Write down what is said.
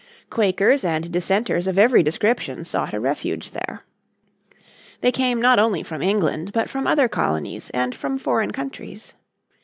Quakers and dissenters of every description sought a refuge there. They came not only from England, but from the other colonies and from foreign countries.